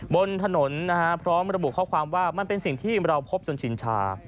บนถนนนะฮะพร้อมระบุข้อความว่ามันเป็นสิ่งที่เราพบจนชินชา